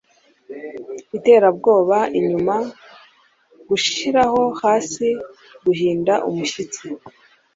iterabwoba inyuma, gushiraho hasi guhinda umushyitsi